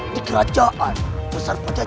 di kerajaan besar besar